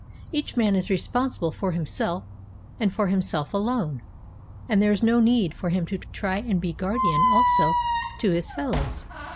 Each man is responsible for himself and for himself alone, and there is no need for him to try and be guardian also to his fellows.